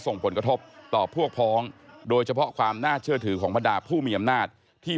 ส่งผลกระทบต่อพวกพ้องโดยเฉพาะความน่าเชื่อถือของบรรดาผู้มีอำนาจที่